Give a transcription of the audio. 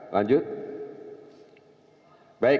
lanjut baik seluruh korban